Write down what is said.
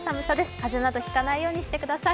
風邪など引かないようにしてください。